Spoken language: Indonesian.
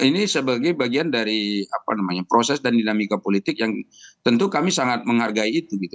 jadi ini sebagai bagian dari proses dan dinamika politik yang tentu kami sangat menghargai itu gitu